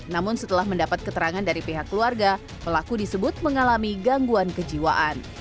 namun setelah mendapat keterangan dari pihak keluarga pelaku disebut mengalami gangguan kejiwaan